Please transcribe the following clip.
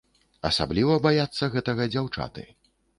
Асабліва баяцца гэтага дзяўчаты.